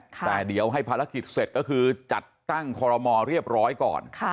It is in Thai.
แต่เดี๋ยวให้ภารกิจเสร็จก็คือจัดตั้งคอรมอเรียบร้อยก่อน